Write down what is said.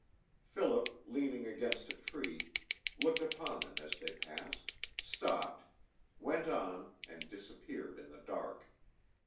Philip, leaning against a tree, looked upon them as they passed, stopped, went on and disappeared in the dark.